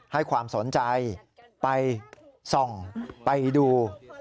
ให้ความสนใจไปส่องไปดู